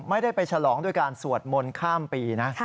ไม่ได้ไปฉลองด้วยการสวดมนต์ข้ามปีนะ